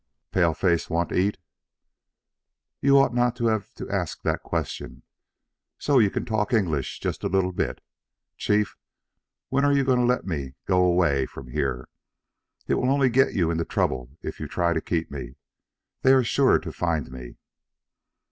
"Paleface want eat?" "You ought not to have to ask that question. So you can talk English just a little bit? Chief, when are you going to let me go away from here? It will only get you into trouble if you try to keep me. They are sure to find me."